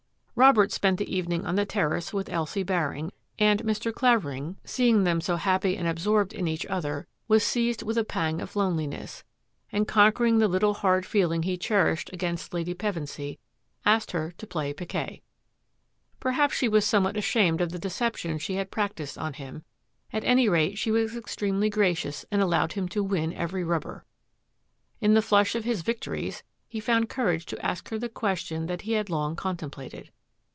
Robert spent the evening on the terrace with Elsie Baring, and Mr. Clavering, seeing them so MERCEDES QUERO TO THE FORE 826 happy and absorbed in each other, was seized with a pang of loneliness, and conquering the little hard feeling he cherished against Lady Pevensy, asked her to play piquet. Perhaps she was somewhat ashamed of the de ception she had practised on him ; at any rate, she was extremely gracious and allowed him to win every rubber. In the flush of his victories he found courage to ask her the question that he had long contemplated.